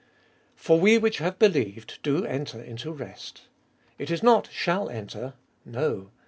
For we which have believed do enter into rest. It is not, shall enter. No.